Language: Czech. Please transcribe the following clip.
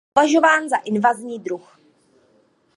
Je považován za invazivní druh.